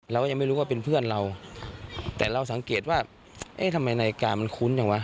เราไม่รู้ว่าเป็นเพื่อนเราแต่เราสังเกตว่าทำไมนายกามันคุ้นจำนวะ